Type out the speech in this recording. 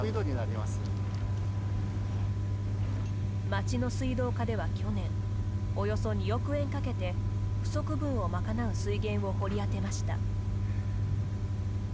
町の水道課では去年およそ２億円かけて、不足分を賄う水源を掘り当てました。